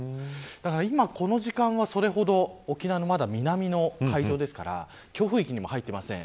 なので今、この時間はそれほど沖縄の南の海上ですから強風域には入っていません。